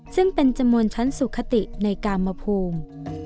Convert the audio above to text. ซึ่งเป็นจำนวนชั้นสุขติในกามภูมิ